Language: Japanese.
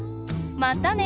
またね！